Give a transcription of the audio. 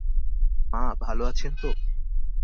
মা ভালো আছেন তো?